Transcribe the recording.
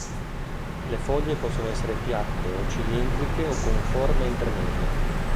Le foglie possono essere piatte o cilindriche o con forme intermedie.